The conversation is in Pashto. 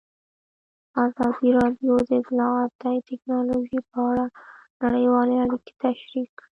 ازادي راډیو د اطلاعاتی تکنالوژي په اړه نړیوالې اړیکې تشریح کړي.